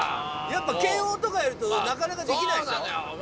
やっぱ研音とかいるとなかなかできないでしょ？